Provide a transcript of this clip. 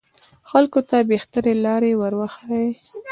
خلکو ته بهترې لارې وروښيي